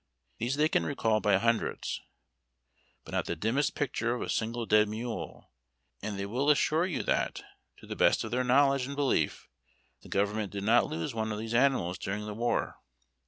These they can recall by hundreds ; but not the dimmest picture of a single dead mule, and they will assure you that, to the best of their knowledge and belief, the government did not lose one of these animals during the war.